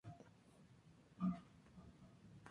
Es un fosfato hidroxilado y anhidro de cobre.